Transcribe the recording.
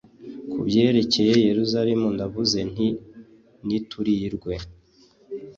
ku byerekeye yeruzalemu ndavuze nti «niturwe»,